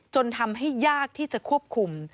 จนทำให้ยากที่จะควบคุม